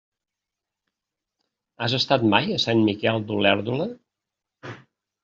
Has estat mai a Sant Miquel d'Olèrdola?